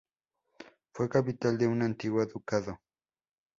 Fue capital de un antiguo ducado.